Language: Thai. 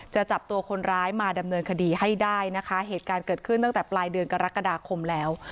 จะจับตัวคนร้ายมาดำเนินคดีให้ได้นะคะเหตุการณ์เกิดขึ้นตั้งแต่ปลายเดือนกรกฎาคมแล้ว